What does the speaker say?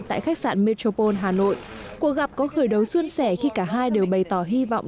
tại khách sạn metropole hà nội cuộc gặp có khởi đầu xuân sẻ khi cả hai đều bày tỏ hy vọng